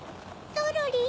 ドロリン！